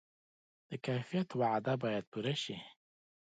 د کیفیت وعده باید پوره شي.